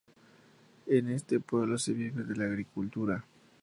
En este pueblo se vive de la agricultura.